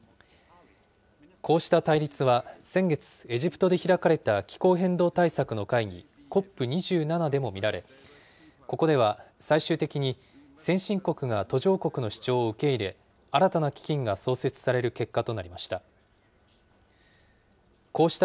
こうした対立は先月、エジプトで開かれた気候変動対策の会議、ＣＯＰ２７でも見られ、ここでは最終的に先進国が途上国の主張を受け入れ、新たな基金が創設される結果となりました。